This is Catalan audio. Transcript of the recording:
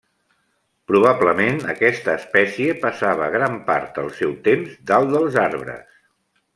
Probablement aquesta espècie passava gran part del seu temps dalt dels arbres.